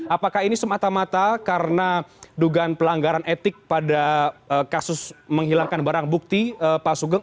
apakah ini semata mata karena dugaan pelanggaran etik pada kasus menghilangkan barang bukti pak sugeng